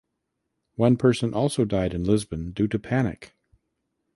One person also died in Lisbon due to panic.